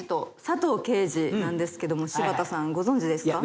なんですけども柴田さんご存じですか？